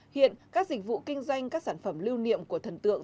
hiện các dịch vụ kinh doanh các sản phẩm lưu niệm của thần tượng